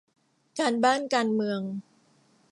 การบ้านการเมือง